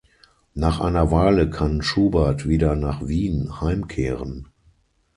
Nach einer Weile kann Schubert wieder nach Wien heimkehren.